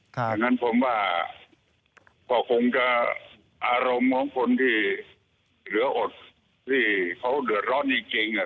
อย่างนั้นผมว่าก็คงจะอารมณ์ของคนที่เหลืออดที่เขาเดือดร้อนจริง